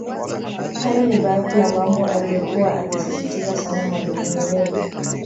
Hayo ni baadhi ya mambo aliyokua akisisitiza sana Mwalimu Nyerere